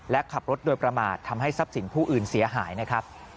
และขับรถโดยประมาททำให้ทรัพย์สินผู้อื่นเสียหายนะครับ